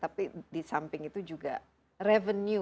tapi disamping itu juga revenue